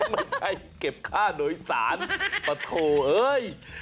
ไม่ใช่เก็บค่าโดยสารปะโถเอ้ย